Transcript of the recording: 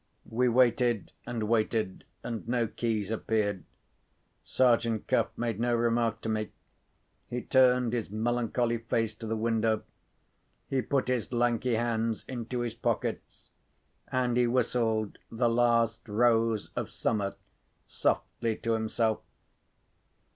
We waited, and waited, and no keys appeared. Sergeant Cuff made no remark to me. He turned his melancholy face to the window; he put his lanky hands into his pockets; and he whistled "The Last Rose of Summer" softly to himself.